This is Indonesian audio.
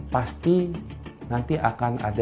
pasti nanti akan ada